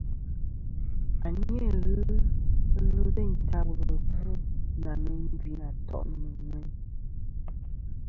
A ni-a ghɨ ɨlvɨ teyn ta wulwi bvɨ nà ŋweyn gvi nà to'nɨ nɨ̀ ŋweyn.